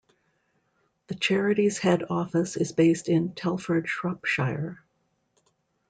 The charity's Head Office is based in Telford, Shropshire.